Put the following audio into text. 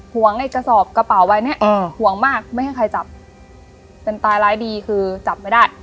ไอ้กระสอบกระเป๋าใบเนี้ยห่วงมากไม่ให้ใครจับเป็นตายร้ายดีคือจับไม่ได้